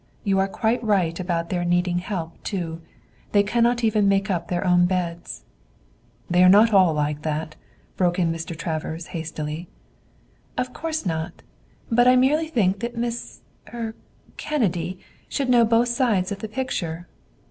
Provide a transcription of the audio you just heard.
You are quite right about their needing help too. They cannot even make up their own beds." "They are not all like that," broke in Mr. Travers hastily. "Of course not. But I merely think that Miss er Kennedy should know both sides of the picture."